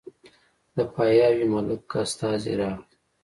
د پاياوي ملک استازی راغی